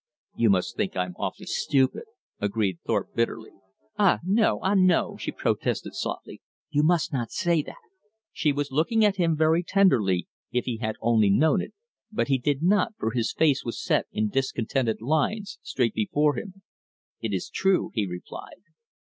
"You must think I'm awfully stupid," agreed Thorpe bitterly. "Ah, no! Ah, no!" she protested softly. "You must not say that." She was looking at him very tenderly, if he had only known it, but he did not, for his face was set in discontented lines straight before him. "It is true," he replied.